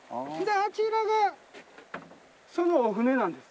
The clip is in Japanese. あちらがそのお船なんです。